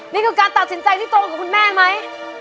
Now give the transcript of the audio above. นี่คือการตัดสินใจที่ตรงกับคุณแม่ไหม